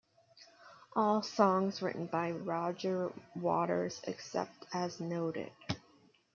All songs written by Roger Waters except as noted.